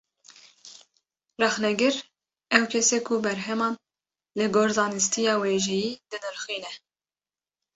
Rexnegir, ew kes e ku berheman, li gor zanistiya wêjeyî dinirxîne